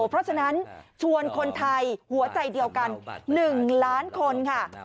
เพราะฉะนั้นชวนคนไทยหัวใจเดียวกัน๑ล้านคนค่ะ